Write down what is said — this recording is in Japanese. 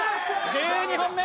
１２本目。